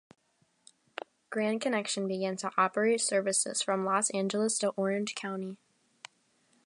Grand Connection began to operate services from Los Angeles to Orange County.